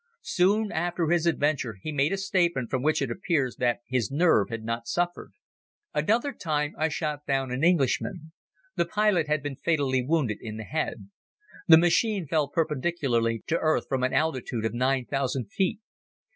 Soon after his adventure he made a statement from which it appears that his nerve had not suffered. Another time, I shot down an Englishman. The pilot had been fatally wounded in the head. The machine fell perpendicularly to earth from an altitude of nine thousand feet.